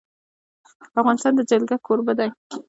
افغانستان د جلګه کوربه دی.